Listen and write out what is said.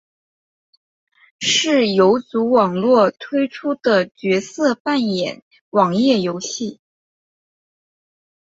是游族网络推出的角色扮演网页游戏。